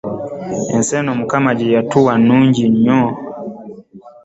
Ensi eno Mukama gye yatuwa nnungi nnyo